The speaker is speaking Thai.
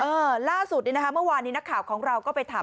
เออล่าสุดนี่นะคะเมื่อวานนี้นักข่าวของเราก็ไปถาม